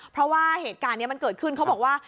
เพราะว่าเหตุการณ์นี้มันเกิดขึ้นเขาบอกว่า